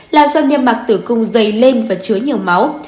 làm cho nghiêm mạc tử cung dày lên và chứa nhiều máu